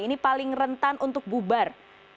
ini paling rentan untuk bubar